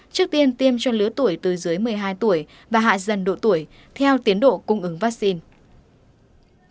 trước tiên tiêm cho lứa tuổi từ dưới một mươi hai tuổi và hạ dần độ tuổi theo tiến độ cung ứng vaccine